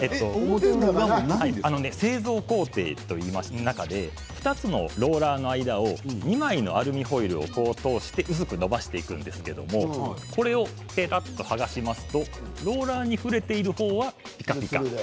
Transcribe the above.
製造工程の中で２つのローラーの間を２枚のアルミホイルを通して薄くのばしていくんですけどはがしますとローラーに触れている方はピカピカ。